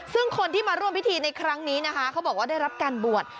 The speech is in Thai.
ซึ่งคนที่มาร่วมพิธีในครั้งนี้นะคะเขาบอกว่าได้รับการบวช